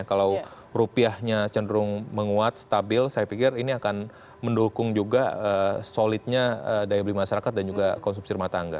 kalau rupiahnya cenderung menguat stabil saya pikir ini akan mendukung juga solidnya daya beli masyarakat dan juga konsumsi rumah tangga